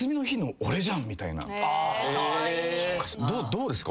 どうですか？